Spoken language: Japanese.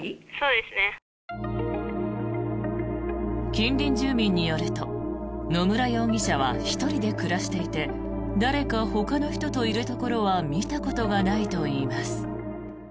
近隣住民によると野村容疑者は１人で暮らしていて誰かほかの人といるところは見たことがないといいます。